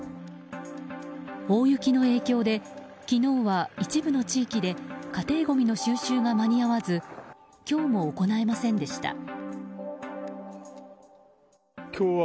大雪の影響で昨日は一部の地域で家庭ごみの収集が間に合わず今日も行えませんでした。